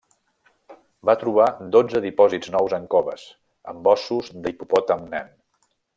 Va trobar dotze dipòsits nous en coves, amb ossos d'hipopòtam nan.